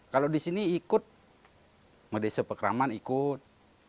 kalau di sini ikut desa pekeraman ikut